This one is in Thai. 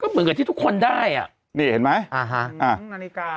เหมือนกับที่ทุกคนได้อ่ะนี่เห็นไหมอ่าฮะอ่าทั้งนาฬิกา